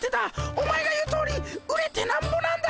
お前が言うとおり売れてなんぼなんだ。